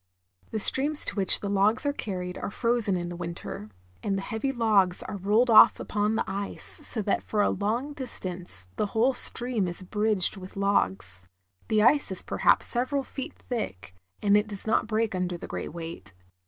The streams to which the logs are carried are frozen in the winter, and the heavy logs are rolled off upon the ice, so that for a long distance the whole stream is bridged with logs. The ice is perhaps several feet thick, and it does not break under the great weight.